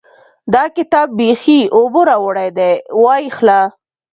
دا کتاب بېخي اوبو راوړی دی؛ وايې خله.